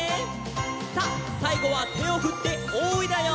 さあさいごはてをふって「おい」だよ！せの！